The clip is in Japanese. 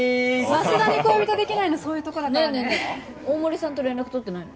増田に恋人できないのそういうとこだからねねえねえねえ大森さんと連絡取ってないの？